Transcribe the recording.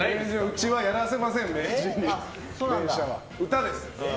うちはやらせませんね、連射は。